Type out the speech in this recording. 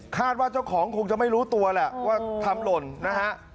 ว่าเจ้าของคงจะไม่รู้ตัวแหละว่าทำหล่นนะฮะ